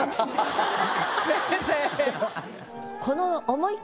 先生。